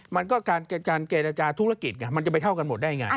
มันก็การเกรดจาธุรกิจมันจะไปเท่ากันหมดได้อย่างไร